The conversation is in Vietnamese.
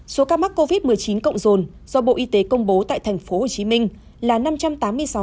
số ca mắc covid một mươi chín cộng rồn do bộ y tế công bố tại thành phố hồ chí minh là năm trăm tám mươi sáu ba trăm hai mươi bảy ca